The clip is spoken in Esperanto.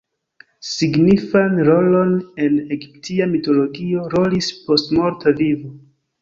Signifan rolon en egiptia mitologio rolis postmorta vivo.